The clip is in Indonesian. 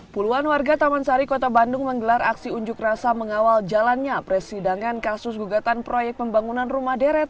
puluhan warga taman sari kota bandung menggelar aksi unjuk rasa mengawal jalannya persidangan kasus gugatan proyek pembangunan rumah deret